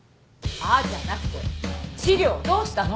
「あっ」じゃなくて資料どうしたの？